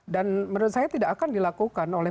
dan menurut saya tidak akan dilakukan oleh